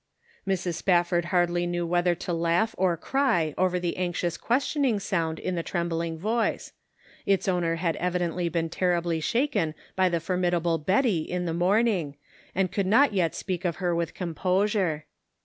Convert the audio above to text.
Mrs. Spafford hardly knew whether to laugh or cry over the anxious questioning sound in the trembling voice ; its owner had evidently been terribly shaken by the formidable Betty in the morning, and could not yet speak of her with composure.